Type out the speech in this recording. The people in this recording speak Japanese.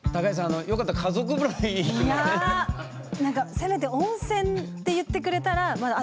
いやなんかせめて「温泉」って言ってくれたらまだあっ